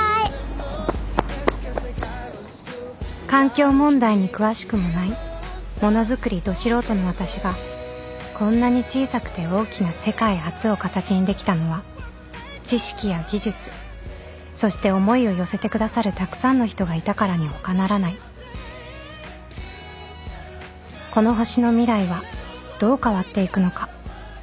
［環境問題に詳しくもないものづくりど素人の私がこんなに小さくて大きな世界初を形にできたのは知識や技術そして思いを寄せてくださるたくさんの人がいたからに他ならない］［この星の未来はどう変わっていくのか］